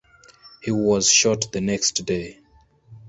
He was shot the next day.